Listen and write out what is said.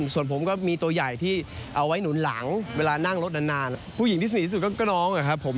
ส่วนผมก็มีตัวใหญ่ที่เอาไว้หนุนหลังเวลานั่งรถนานผู้หญิงที่สนิทที่สุดก็น้องอะครับผม